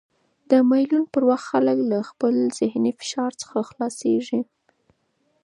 د مېلو پر وخت خلک له ذهني فشار څخه خلاصيږي.